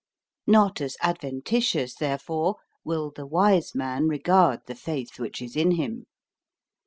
"Not as adventitious therefore will the wise man regard the faith which is in him.